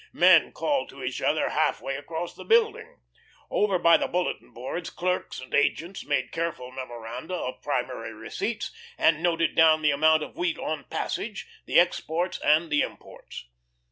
Men called to each other half way across the building. Over by the bulletin boards clerks and agents made careful memoranda of primary receipts, and noted down the amount of wheat on passage, the exports and the imports.